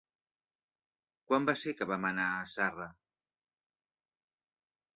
Quan va ser que vam anar a Zarra?